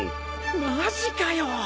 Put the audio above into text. マジかよ。